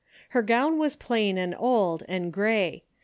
Her gown was plain and old and grey.